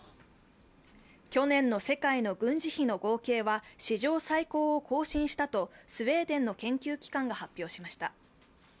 去年の世界の軍事費の合計は史上最高を更新したとスウェーデンの研究機関が発表しました。